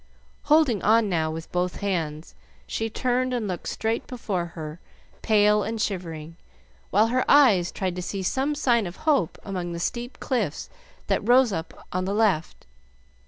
Holding on now with both hands she turned and looked straight before her, pale and shivering, while her eyes tried to see some sign of hope among the steep cliffs that rose up on the left.